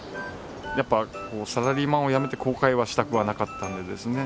やっぱりサラリーマンを辞めて後悔はしたくはなかったのでですね。